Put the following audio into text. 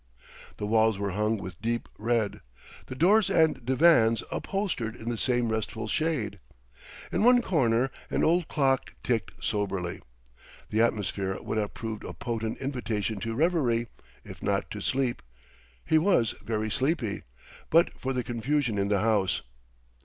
The walls were hung with deep red, the doors and divans upholstered in the same restful shade. In one corner an old clock ticked soberly. The atmosphere would have proved a potent invitation to reverie, if not to sleep he was very sleepy but for the confusion in the house.